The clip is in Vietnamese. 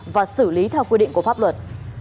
và xử lý theo quy định của pháp luật